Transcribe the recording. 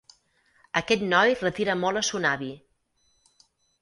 Aquest noi retira molt a son avi.